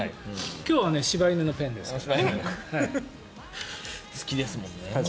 今日は柴犬のペンですから。